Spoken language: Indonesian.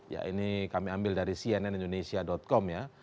ya ini kami ambil dari cnn indonesia com ya